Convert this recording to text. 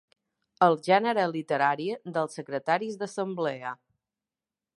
El gènere literari dels secretaris d'assemblea.